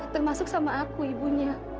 termasuk sama aku ibunya